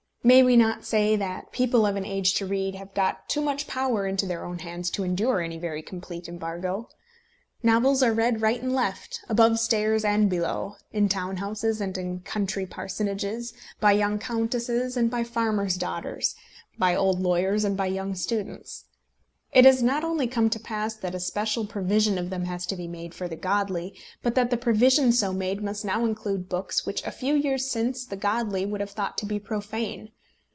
May we not say that people of an age to read have got too much power into their own hands to endure any very complete embargo? Novels are read right and left, above stairs and below, in town houses and in country parsonages, by young countesses and by farmers' daughters, by old lawyers and by young students. It has not only come to pass that a special provision of them has to be made for the godly, but that the provision so made must now include books which a few years since the godly would have thought to be profane.